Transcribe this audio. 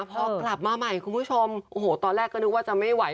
พอกลับมาใหม่คุณผู้ชมโอ้โหตอนแรกก็นึกว่าจะไม่ไหว